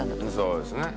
そうですね。